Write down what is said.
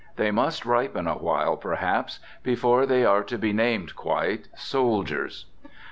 They must ripen awhile, perhaps, before they are to be named quite soldiers.